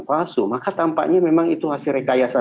palsu maka tampaknya memang itu hasil rekayasa